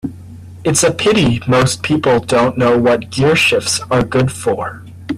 It's a pity most people do not know what gearshifts are good for.